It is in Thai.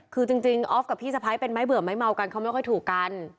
คือจริงออฟกับพี่สะพ้ายเป็นไม้เบื่อไม้เมากันเขาไม่ค่อยถูกกัน